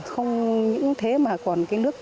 không những thế mà còn cái nước